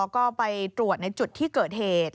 ก็ไปตรวจในจุดที่เกิดเหตุ